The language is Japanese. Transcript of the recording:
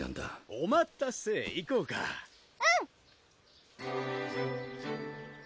お待たせ行こうかうん！